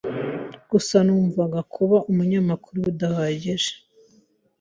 Gusa numvaga kuba umunyamakuru bidahagije.